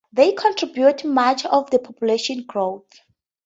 They contribute much of the population growth.